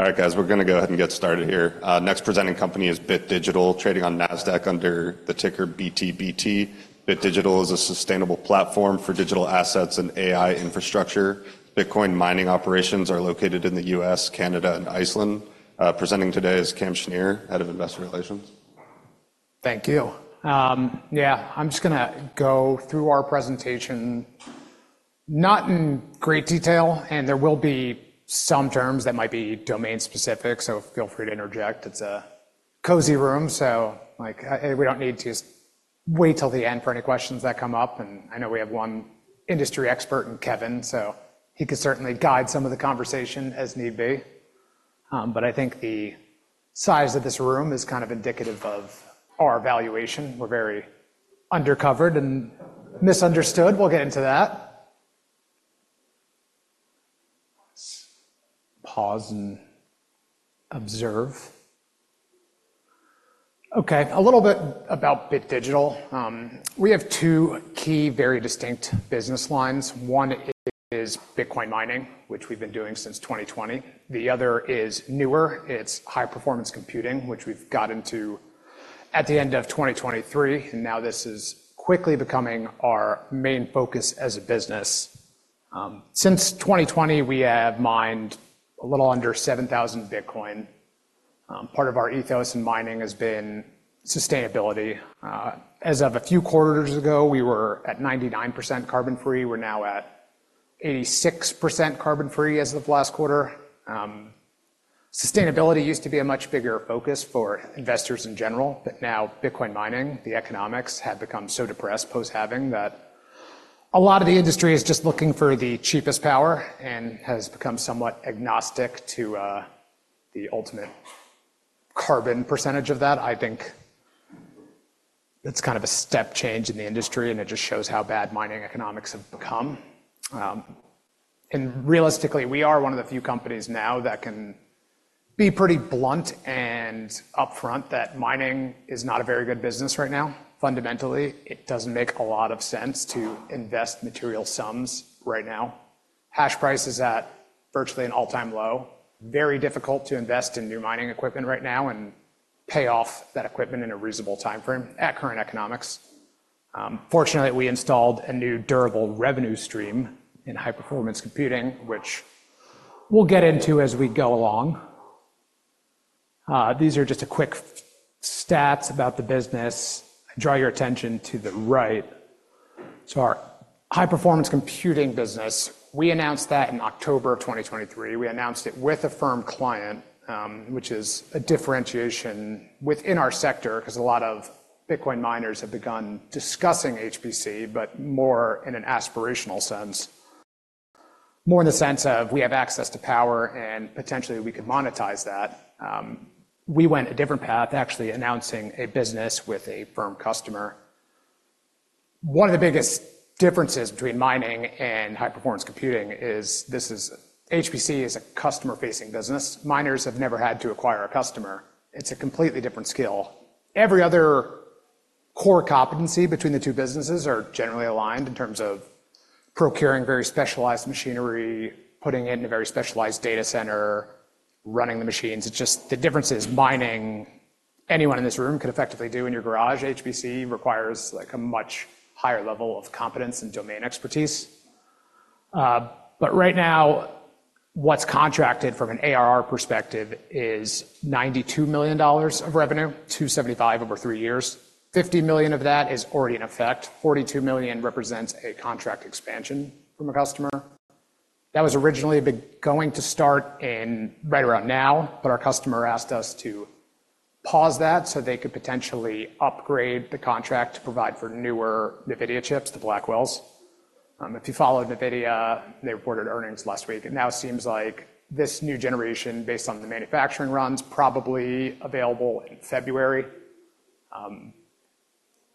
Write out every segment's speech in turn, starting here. All right, guys, we're gonna go ahead and get started here. Next presenting company is Bit Digital, trading on Nasdaq under the ticker BTBT. Bit Digital is a sustainable platform for digital assets and AI infrastructure. Bitcoin mining operations are located in the U.S., Canada, and Iceland. Presenting today is Cam Schnier, Head of Investor Relations. Thank you. Yeah, I'm just gonna go through our presentation, not in great detail, and there will be some terms that might be domain-specific, so feel free to interject. It's a cozy room, so, like, we don't need to wait till the end for any questions that come up, and I know we have one industry expert in Kevin, so he could certainly guide some of the conversation as need be. But I think the size of this room is kind of indicative of our valuation. We're very undercovered and misunderstood. We'll get into that. Let's pause and observe. Okay, a little bit about Bit Digital. We have two key, very distinct business lines. One is Bitcoin mining, which we've been doing since 2020. The other is newer. It's high-performance computing, which we've got into at the end of 2023, and now this is quickly becoming our main focus as a business. Since 2020, we have mined a little under 7,000 Bitcoin. Part of our ethos in mining has been sustainability. As of a few quarters ago, we were at 99% carbon-free. We're now at 86% carbon-free as of last quarter. Sustainability used to be a much bigger focus for investors in general, but now Bitcoin mining, the economics, have become so depressed post-halving that a lot of the industry is just looking for the cheapest power and has become somewhat agnostic to, the ultimate carbon percentage of that. I think it's kind of a step change in the industry, and it just shows how bad mining economics have become. And realistically, we are one of the few companies now that can be pretty blunt and upfront that mining is not a very good business right now. Fundamentally, it doesn't make a lot of sense to invest material sums right now. Hash price is at virtually an all-time low. Very difficult to invest in new mining equipment right now and pay off that equipment in a reasonable timeframe at current economics. Fortunately, we installed a new durable revenue stream in high-performance computing, which we'll get into as we go along. These are just a quick stats about the business. Draw your attention to the right. So our high-performance computing business, we announced that in October of 2023. We announced it with a firm client, which is a differentiation within our sector 'cause a lot of Bitcoin miners have begun discussing HPC, but more in an aspirational sense. More in the sense of we have access to power, and potentially we could monetize that. We went a different path, actually announcing a business with a firm customer. One of the biggest differences between mining and high-performance computing is HPC is a customer-facing business. Miners have never had to acquire a customer. It's a completely different skill. Every other core competency between the two businesses are generally aligned in terms of procuring very specialized machinery, putting it in a very specialized data center, running the machines. It's just the difference is mining, anyone in this room could effectively do in your garage. HPC requires, like, a much higher level of competence and domain expertise. But right now, what's contracted from an ARR perspective is $92 million of revenue, $275 million over three years. $50 million of that is already in effect. $42 million represents a contract expansion from a customer. That was originally going to start in right around now, but our customer asked us to pause that so they could potentially upgrade the contract to provide for newer NVIDIA chips, the Blackwells. If you follow NVIDIA, they reported earnings last week. It now seems like this new generation, based on the manufacturing runs, probably available in February.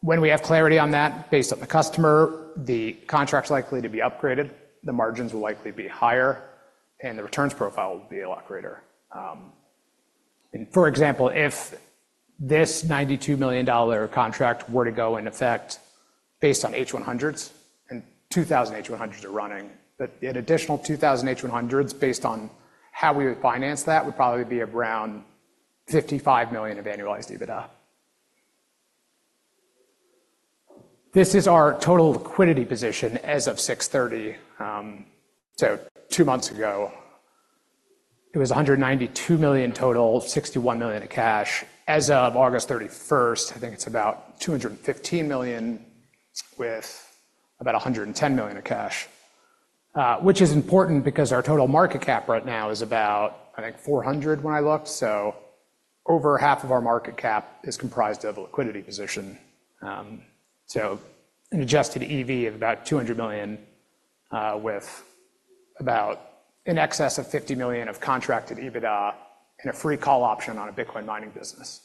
When we have clarity on that, based on the customer, the contract's likely to be upgraded, the margins will likely be higher, and the returns profile will be a lot greater. For example, if this $92 million contract were to go in effect based on H100s, and 2,000 H100s are running, but an additional 2,000 H100s, based on how we would finance that, would probably be around $55 million of annualized EBITDA. This is our total liquidity position as of June 30. So two months ago, it was $192 million total, $61 million of cash. As of August 31, I think it is about $215 million, with about $110 million of cash. Which is important because our total market cap right now is about, I think, $400 million when I looked. Over half of our market cap is comprised of a liquidity position. So an adjusted EV of about $200 million, with about in excess of $50 million of contracted EBITDA and a free call option on a Bitcoin mining business.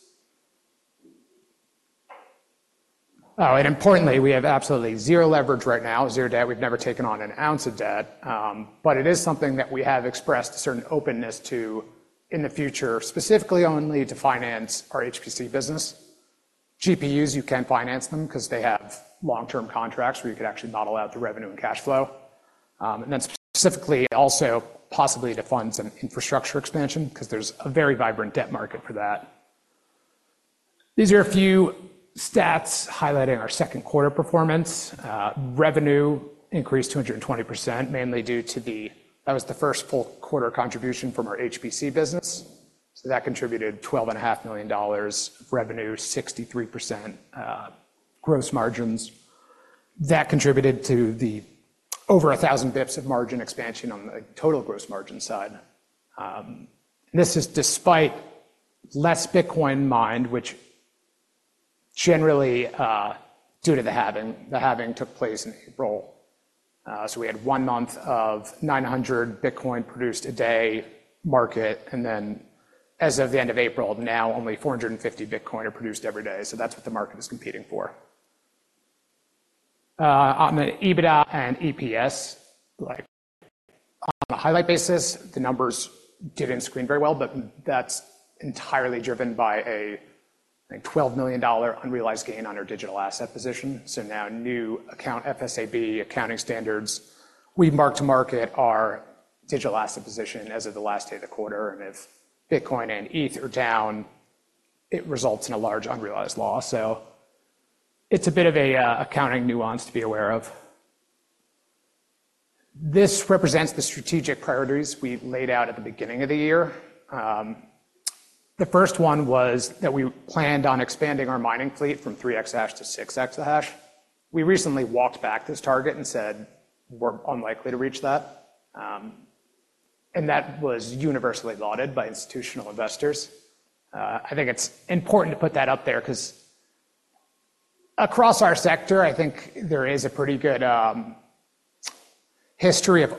Oh, and importantly, we have absolutely zero leverage right now, zero debt. We've never taken on an ounce of debt, but it is something that we have expressed a certain openness to in the future, specifically only to finance our HPC business. GPUs, you can finance them because they have long-term contracts where you could actually model out the revenue and cash flow. And then specifically, also possibly to fund some infrastructure expansion, because there's a very vibrant debt market for that. These are a few stats highlighting our second quarter performance. Revenue increased 220%, mainly due to the. That was the first full quarter contribution from our HPC business. So that contributed $12.5 million revenue, 63% gross margins. That contributed to the over 1,000 basis points of margin expansion on the total gross margin side. This is despite less Bitcoin mined, which generally due to the halving. The halving took place in April. So we had one month of 900 Bitcoin produced a day market, and then as of the end of April, now only 450 Bitcoin are produced every day. So that's what the market is competing for. On the EBITDA and EPS, like, on a highlight basis, the numbers didn't screen very well, but that's entirely driven by a like $12 million unrealized gain on our digital asset position. So now, under FASB accounting standards, we mark-to-market our digital asset position as of the last day of the quarter, and if Bitcoin and Ether are down, it results in a large unrealized loss. So it's a bit of an accounting nuance to be aware of. This represents the strategic priorities we laid out at the beginning of the year. The first one was that we planned on expanding our mining fleet from 3 exahash to 6 exahash. We recently walked back this target and said we're unlikely to reach that. And that was universally lauded by institutional investors. I think it's important to put that up there 'cause across our sector, I think there is a pretty good history of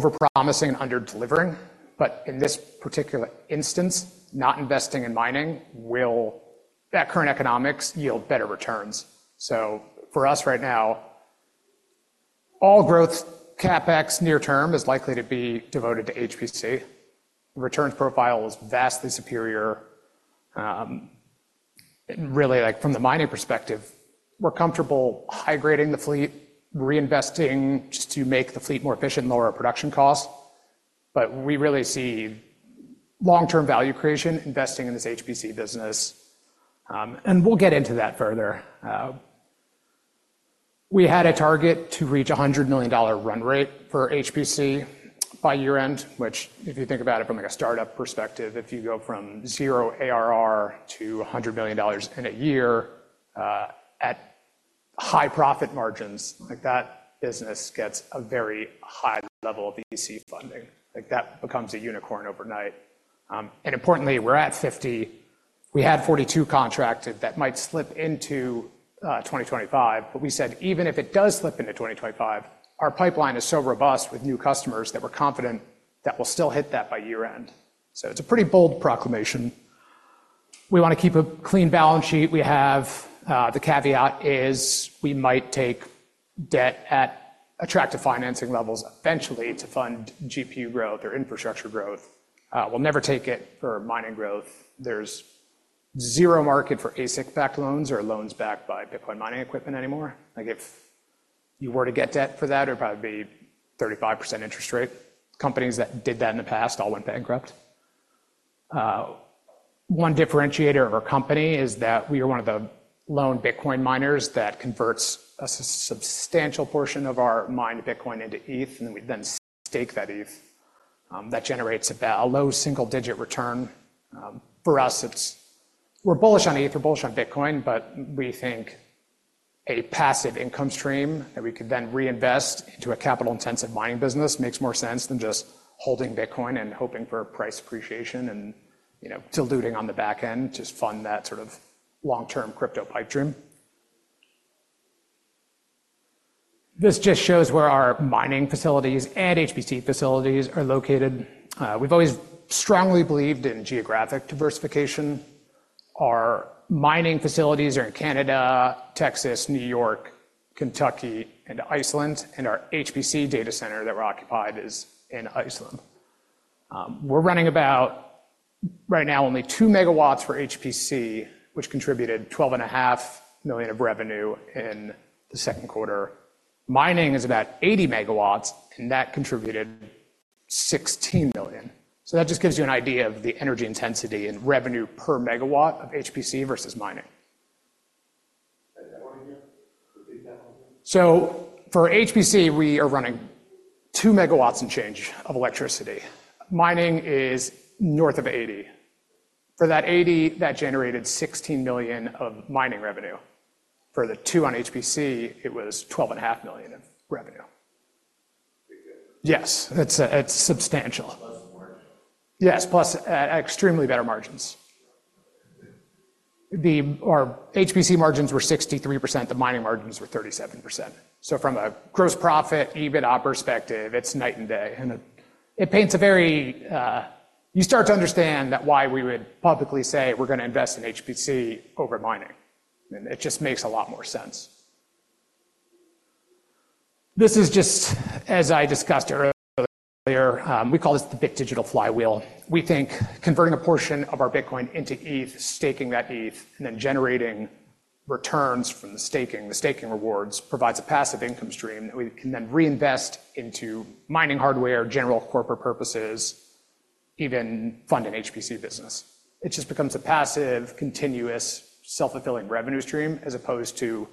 overpromising and under delivering, but in this particular instance, not investing in mining will, at current economics, yield better returns. So for us right now, all growth CapEx near term is likely to be devoted to HPC. Returns profile is vastly superior. Really, like, from the mining perspective, we're comfortable high-grading the fleet, reinvesting just to make the fleet more efficient, lower our production cost, but we really see long-term value creation investing in this HPC business, and we'll get into that further. We had a target to reach a $100 million run rate for HPC by year-end, which, if you think about it from, like, a startup perspective, if you go from zero ARR to a $100 million in a year, at high profit margins, like, that business gets a very high level of VC funding. Like, that becomes a unicorn overnight. And importantly, we're at $50 million. We had 42 contracted that might slip into 2025, but we said, even if it does slip into 2025, our pipeline is so robust with new customers that we're confident that we'll still hit that by year-end. So it's a pretty bold proclamation. We want to keep a clean balance sheet. We have the caveat is we might take debt at attractive financing levels eventually to fund GPU growth or infrastructure growth. We'll never take it for mining growth. There's zero market for ASIC-backed loans or loans backed by Bitcoin mining equipment anymore. Like, if you were to get debt for that, it would probably be 35% interest rate. Companies that did that in the past all went bankrupt. One differentiator of our company is that we are one of the lone Bitcoin miners that converts a substantial portion of our mined Bitcoin into ETH, and we then stake that ETH. That generates about a low single-digit return. For us, we're bullish on ETH, we're bullish on Bitcoin, but we think a passive income stream that we could then reinvest into a capital-intensive mining business makes more sense than just holding Bitcoin and hoping for price appreciation and, you know, diluting on the back end to fund that sort of long-term crypto pipe dream. This just shows where our mining facilities and HPC facilities are located. We've always strongly believed in geographic diversification. Our mining facilities are in Canada, Texas, New York, Kentucky, and Iceland, and our HPC data center that we're occupied is in Iceland. We're running about, right now, only 2 MW for HPC, which contributed $12.5 million of revenue in the second quarter. Mining is about 80 MW, and that contributed $16 million. So that just gives you an idea of the energy intensity and revenue per megawatt of HPC versus mining. Say that one again. Repeat that one again. For HPC, we are running 2 MW and change of electricity. Mining is north of 80 MW. For that 80 MW, that generated $16 million of mining revenue. For the 2 MW on HPC, it was $12.5 million in revenue. Big difference. Yes, it's substantial. Plus margin. Yes, plus extremely better margins. Our HPC margins were 63%, the mining margins were 37%. So from a gross profit, EBITDA perspective, it's night and day, and it paints a very. You start to understand that why we would publicly say we're gonna invest in HPC over mining, and it just makes a lot more sense. This is just as I discussed earlier, we call this the Bit Digital flywheel. We think converting a portion of our Bitcoin into ETH, staking that ETH, and then generating returns from the staking. The staking rewards provides a passive income stream that we can then reinvest into mining hardware, general corporate purposes, even fund an HPC business. It just becomes a passive, continuous, self-fulfilling revenue stream, as opposed to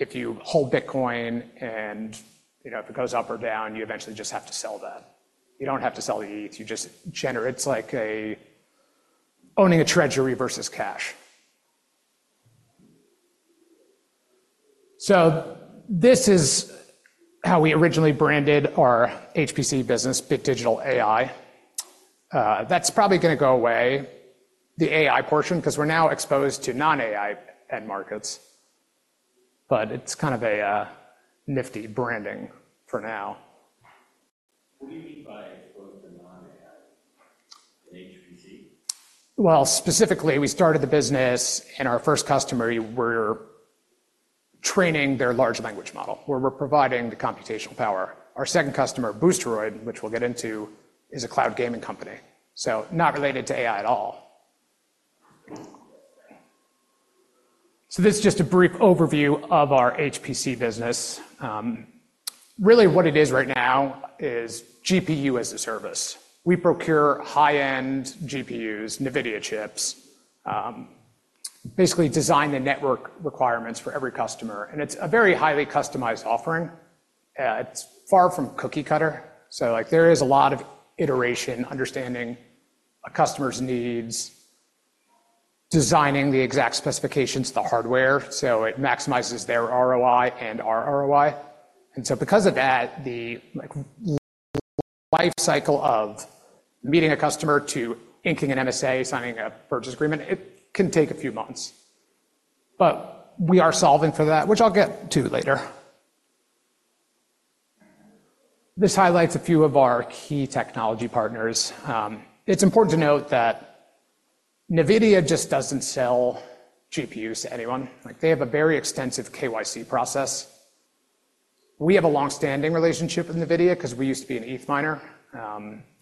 if you hold Bitcoin and, you know, if it goes up or down, you eventually just have to sell that. You don't have to sell the ETH, you just generate. It's like owning a treasury versus cash. So this is how we originally branded our HPC business, Bit Digital AI. That's probably gonna go away, the AI portion, 'cause we're now exposed to non-AI end markets, but it's kind of a nifty branding for now. What do you mean by both the non-AI and HPC? Specifically, we started the business, and our first customer, we're training their large language model, where we're providing the computational power. Our second customer, Boosteroid, which we'll get into, is a cloud gaming company, so not related to AI at all. This is just a brief overview of our HPC business. Really, what it is right now is GPU as a service. We procure high-end GPUs, NVIDIA chips, basically design the network requirements for every customer, and it's a very highly customized offering. It's far from cookie-cutter, so, like, there is a lot of iteration, understanding a customer's needs, designing the exact specifications, the hardware, so it maximizes their ROI and our ROI. Because of that, the, like, life cycle of meeting a customer to inking an MSA, signing a purchase agreement, it can take a few months. But we are solving for that, which I'll get to later. This highlights a few of our key technology partners. It's important to note that NVIDIA just doesn't sell GPUs to anyone. Like, they have a very extensive KYC process. We have a long-standing relationship with NVIDIA 'cause we used to be an ETH miner.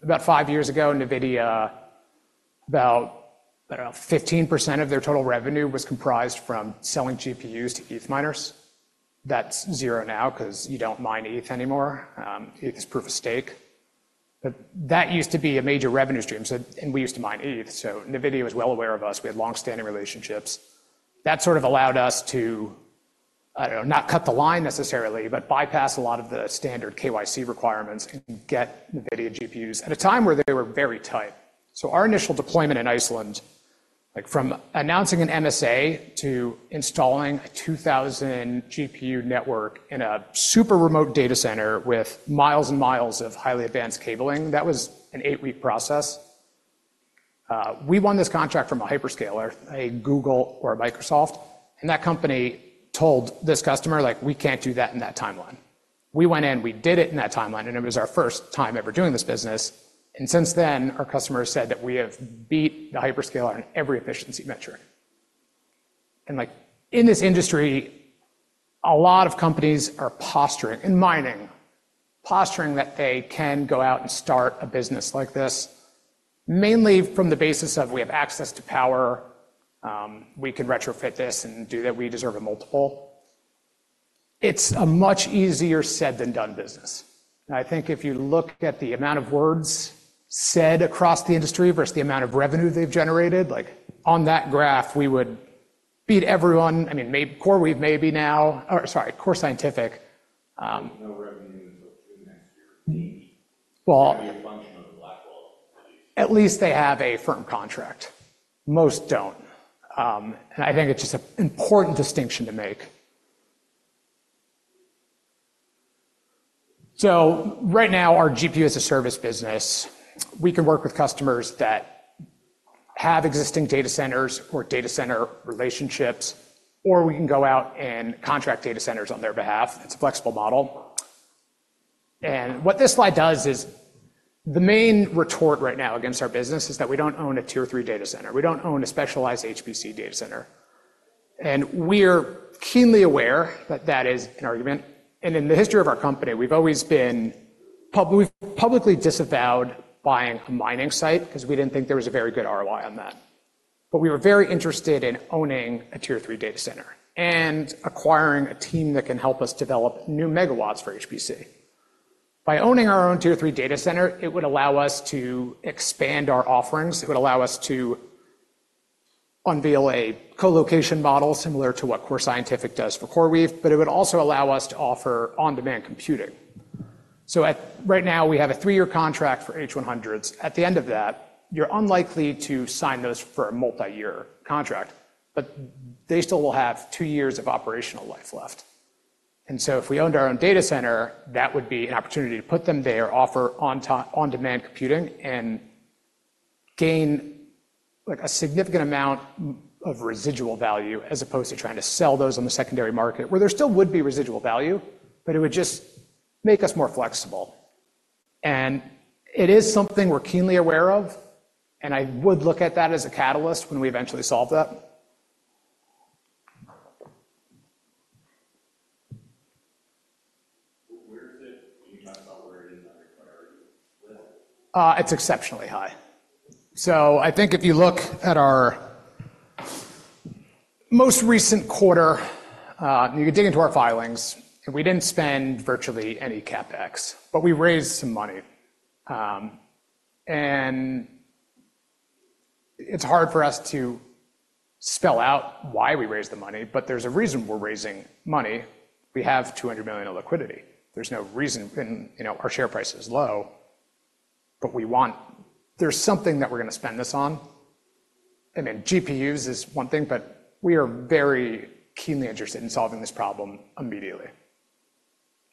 About five years ago, NVIDIA, about, I don't know, 15% of their total revenue was comprised from selling GPUs to ETH miners. That's 0% now 'cause you don't mine ETH anymore. ETH is proof of stake, but that used to be a major revenue stream, so, and we used to mine ETH, so NVIDIA is well aware of us. We had long-standing relationships. That sort of allowed us to, I don't know, not cut the line necessarily, but bypass a lot of the standard KYC requirements to get NVIDIA GPUs at a time where they were very tight. So our initial deployment in Iceland, like from announcing an MSA to installing a 2,000 GPU network in a super remote data center with miles and miles of highly advanced cabling, that was an eight-week process. We won this contract from a hyperscaler, a Google or a Microsoft, and that company told this customer, like, "We can't do that in that timeline." We went in, we did it in that timeline, and it was our first time ever doing this business, and since then, our customer said that we have beat the hyperscaler on every efficiency metric. And, like, in this industry, a lot of companies are posturing, in mining, posturing that they can go out and start a business like this, mainly from the basis of we have access to power, we can retrofit this and do that. We deserve a multiple. It's a much easier said than done business. And I think if you look at the amount of words said across the industry versus the amount of revenue they've generated, like on that graph, we would beat everyone. I mean, CoreWeave maybe now, or sorry, Core Scientific. No revenue until next year, maybe. Well. Be a function of the Blackwell. At least they have a firm contract. Most don't. And I think it's just an important distinction to make. So right now, our GPU-as-a-service business, we can work with customers that have existing data centers or data center relationships, or we can go out and contract data centers on their behalf. It's a flexible model. And what this slide does is, the main retort right now against our business is that we don't own a Tier 3 data center. We don't own a specialized HPC data center, and we're keenly aware that that is an argument. And in the history of our company, we've always been we've publicly disavowed buying a mining site 'cause we didn't think there was a very good ROI on that. But we were very interested in owning a Tier 3 data center and acquiring a team that can help us develop new megawatts for HPC. By owning our own Tier 3 data center, it would allow us to expand our offerings. It would allow us to unveil a colocation model similar to what Core Scientific does for CoreWeave, but it would also allow us to offer on-demand computing. So right now, we have a three-year contract for H100s. At the end of that, you're unlikely to sign those for a multi-year contract, but they still will have two years of operational life left. If we owned our own data center, that would be an opportunity to put them there, offer on top, on-demand computing, and gain, like, a significant amount of residual value, as opposed to trying to sell those on the secondary market, where there still would be residual value, but it would just make us more flexible. It is something we're keenly aware of, and I would look at that as a catalyst when we eventually solve that. Where is it? Can you talk about where it is on your priority level? It's exceptionally high. So I think if you look at our most recent quarter, you can dig into our filings, and we didn't spend virtually any CapEx, but we raised some money, and it's hard for us to spell out why we raised the money, but there's a reason we're raising money. We have $200 million of liquidity. There's no reason, and, you know, our share price is low, but we want. There's something that we're going to spend this on, and then GPUs is one thing, but we are very keenly interested in solving this problem immediately,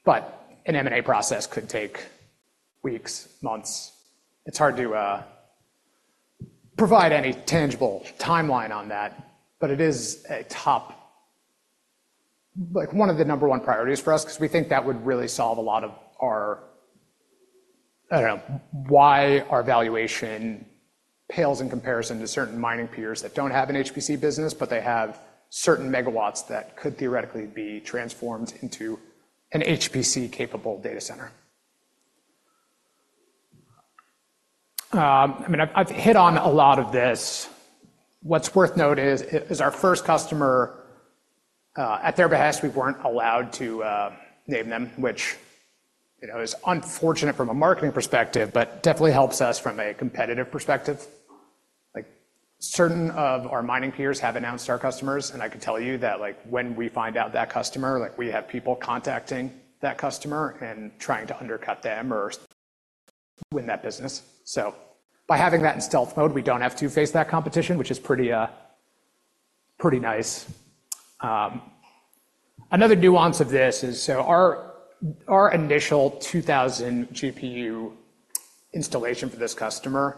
but an M&A process could take weeks, months. It's hard to provide any tangible timeline on that, but it is a top, like, one of the number one priorities for us 'cause we think that would really solve a lot of our, I don't know, why our valuation pales in comparison to certain mining peers that don't have an HPC business, but they have certain megawatts that could theoretically be transformed into an HPC-capable data center. I mean, I've hit on a lot of this. What's worth noting is our first customer, at their behest, we weren't allowed to name them, which, you know, is unfortunate from a marketing perspective, but definitely helps us from a competitive perspective. Like, certain of our mining peers have announced our customers, and I can tell you that, like, when we find out that customer, like, we have people contacting that customer and trying to undercut them or win that business. So by having that in stealth mode, we don't have to face that competition, which is pretty nice. Another nuance of this is, so our initial 2,000 GPU installation for this customer,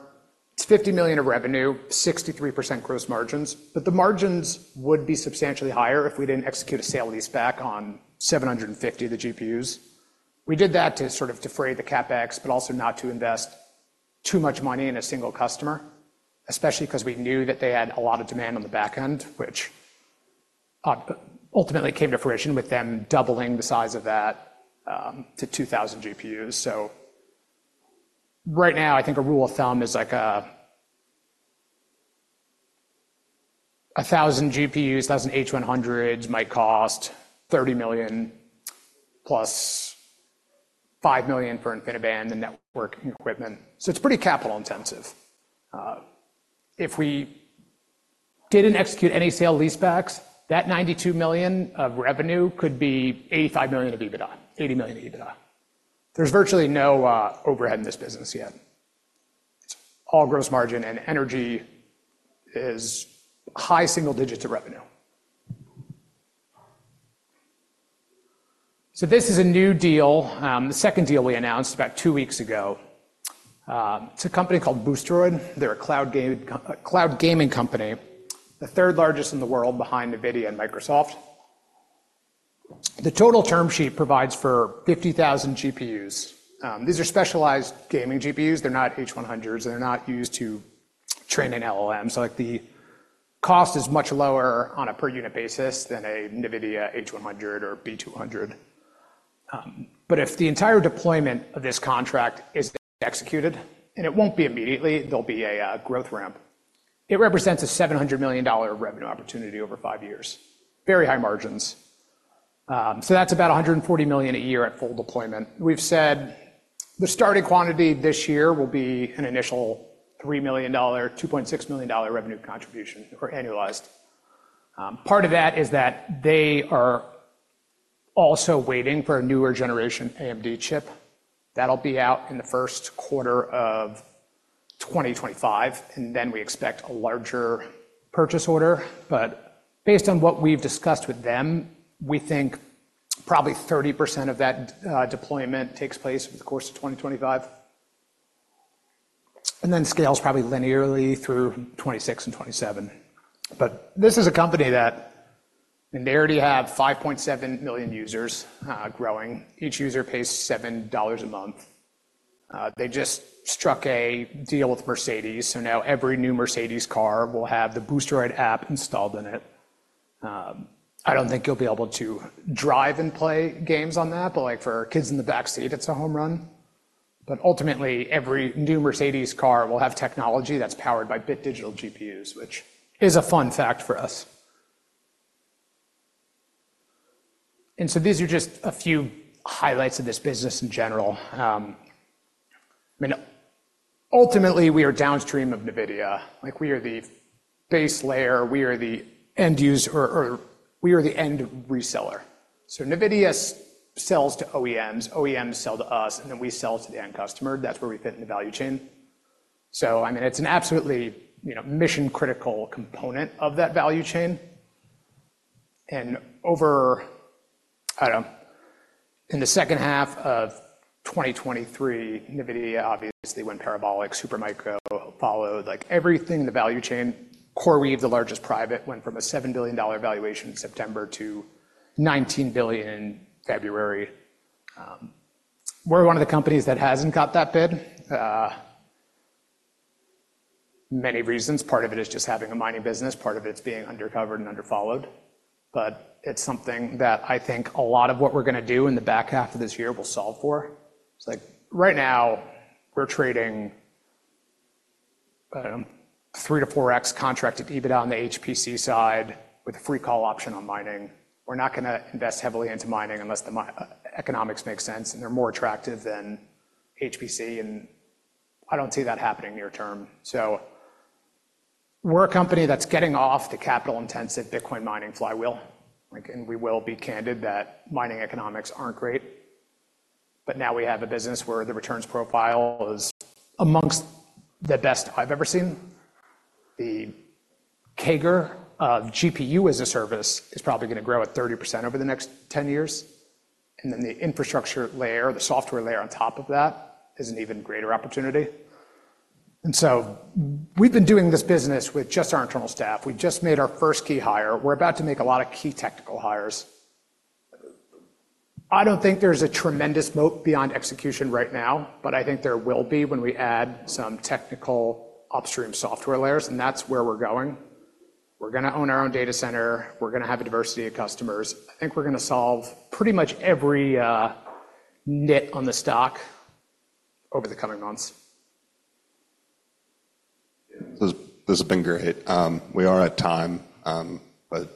it's $50 million of revenue, 63% gross margins, but the margins would be substantially higher if we didn't execute a sale-leaseback on 750 of the GPUs. We did that to sort of defray the CapEx, but also not to invest too much money in a single customer, especially 'cause we knew that they had a lot of demand on the back end, which ultimately came to fruition with them doubling the size of that to 2,000 GPUs. So right now, I think a rule of thumb is like a thousand GPUs, a thousand H100 might cost $30 million plus $5 million for InfiniBand, the networking equipment. So it's pretty capital intensive. If we didn't execute any sale-leasebacks, that $92 million of revenue could be $85 million of EBITDA, $80 million of EBITDA. There's virtually no overhead in this business yet. It's all gross margin, and energy is high single digits of revenue. So this is a new deal, the second deal we announced about two weeks ago. It's a company called Boosteroid. They're a cloud game, a cloud gaming company, the third largest in the world behind NVIDIA and Microsoft. The total term sheet provides for 50,000 GPUs. These are specialized gaming GPUs. They're not H100s. They're not used to training LLMs, so, like, the cost is much lower on a per unit basis than a NVIDIA H100 or B200. But if the entire deployment of this contract is executed, and it won't be immediately, there'll be a growth ramp. It represents a $700 million revenue opportunity over five years. Very high margins. So that's about a $140 million a year at full deployment. We've said the starting quantity this year will be an initial $3 million, $2.6 million revenue contribution or annualized. Part of that is that they are also waiting for a newer generation AMD chip. That'll be out in the first quarter of 2025, and then we expect a larger purchase order. But based on what we've discussed with them, we think probably 30% of that deployment takes place over the course of 2025, and then scales probably linearly through 2026 and 2027. But this is a company that, they already have 5.7 million users, growing. Each user pays $7 a month. They just struck a deal with Mercedes, so now every new Mercedes car will have the Boosteroid app installed in it. I don't think you'll be able to drive and play games on the app, but, like, for kids in the backseat, it's a home run. But ultimately, every new Mercedes car will have technology that's powered by Bit Digital GPUs, which is a fun fact for us. And so these are just a few highlights of this business in general. I mean, ultimately, we are downstream of NVIDIA. Like, we are the base layer, we are the end user, or we are the end reseller. So NVIDIA sells to OEMs, OEMs sell to us, and then we sell to the end customer. That's where we fit in the value chain. So, I mean, it's an absolutely, you know, mission-critical component of that value chain. And over, I don't know, in the second half of 2023, NVIDIA obviously went parabolic. Supermicro followed, like everything in the value chain. CoreWeave, the largest private, went from a $7 billion valuation in September to $19 billion in February. We're one of the companies that hasn't got that bid. Many reasons. Part of it is just having a mining business. Part of it's being undercovered and underfollowed. But it's something that I think a lot of what we're gonna do in the back half of this year will solve for. It's like right now, we're trading 3x-4x contracted EBITDA on the HPC side with a free call option on mining. We're not gonna invest heavily into mining unless the economics make sense, and they're more attractive than HPC, and I don't see that happening near term. So we're a company that's getting off the capital-intensive Bitcoin mining flywheel. Like, and we will be candid that mining economics aren't great, but now we have a business where the returns profile is amongst the best I've ever seen. The CAGR of GPU as a service is probably gonna grow at 30% over the next 10 years, and then the infrastructure layer, the software layer on top of that, is an even greater opportunity. And so we've been doing this business with just our internal staff. We just made our first key hire. We're about to make a lot of key technical hires. I don't think there's a tremendous moat beyond execution right now, but I think there will be when we add some technical upstream software layers, and that's where we're going. We're gonna own our own data center. We're gonna have a diversity of customers. I think we're gonna solve pretty much every nit on the stock over the coming months. This has been great. We are at time, but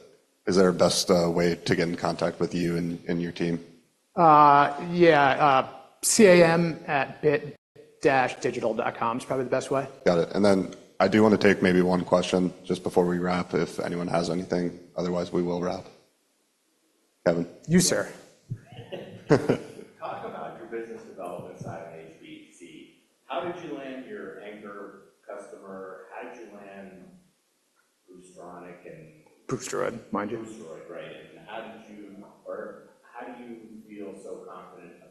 is there a best way to get in contact with you and your team? Yeah. cam@bit-digital.com is probably the best way. Got it. And then I do want to take maybe one question just before we wrap, if anyone has anything. Otherwise, we will wrap. Kevin? You, sir. Talk about your business development side of HPC. How did you land your anchor customer? How did you land Boostronic? Boosteroid, mind you. Boosteroid, right. And how did you or how do you feel so confident about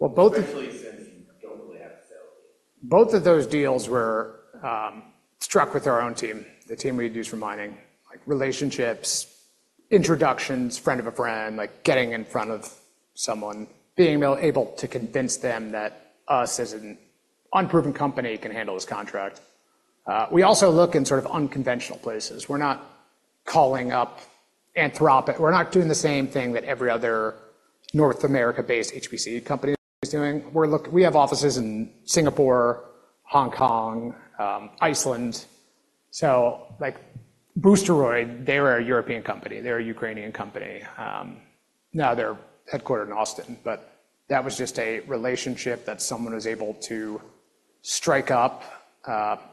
your, your pipeline? Well, both of. Especially since you don't really have a sales team. Both of those deals were struck with our own team, the team we had used for mining. Like relationships, introductions, friend of a friend, like getting in front of someone, being able to convince them that us, as an unproven company, can handle this contract. We also look in sort of unconventional places. We're not calling up Anthropic. We're not doing the same thing that every other North America-based HPC company is doing. We have offices in Singapore, Hong Kong, Iceland. So, like Boosteroid, they're a European company. They're a Ukrainian company. Now they're headquartered in Austin, but that was just a relationship that someone was able to strike up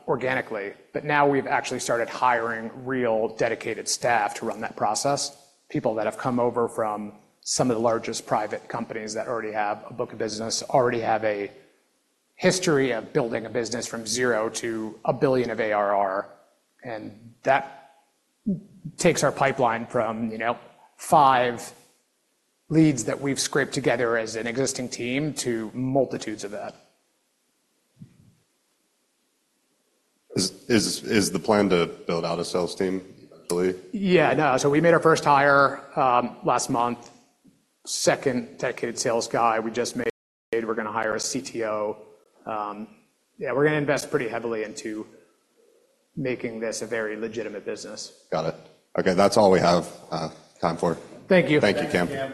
organically. But now we've actually started hiring real, dedicated staff to run that process. People that have come over from some of the largest private companies that already have a book of business, already have a history of building a business from zero to 1 billion of ARR, and that takes our pipeline from, you know, five leads that we've scraped together as an existing team to multitudes of that. Is the plan to build out a sales team eventually? Yeah, no. So we made our first hire, last month. Second dedicated sales guy we just made. We're gonna hire a CTO. Yeah, we're gonna invest pretty heavily into making this a very legitimate business. Got it. Okay, that's all we have time for. Thank you. Thank you, Cam.